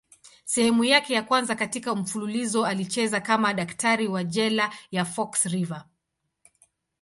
Sehemu yake ya kwanza katika mfululizo alicheza kama daktari wa jela ya Fox River.